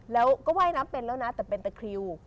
แล้วก็ว่ายน้ำเป็นแล้วนะแต่เป็นตะคริว